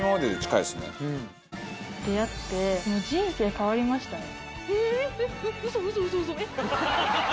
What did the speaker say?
出会ってもう人生変わりましたね。